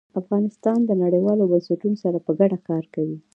افغانستان له نړیوالو بنسټونو سره په ګډه کار کوي.